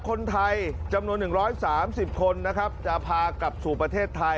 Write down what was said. คนไทยจำนวน๑๓๐คนนะครับจะพากลับสู่ประเทศไทย